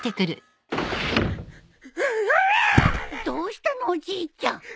どうしたのおじいちゃん。